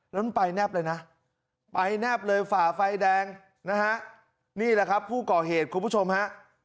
แล้วมันไปแนบเลยนะไปแนบเลยฝ่าไฟแดงนะฮะนี่แหละครับผู้ก่อเหตุคุณผู้ชมฮะ